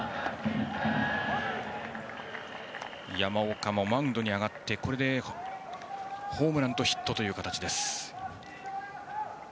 山岡もマウンドに上がってこれでホームランとヒットという形。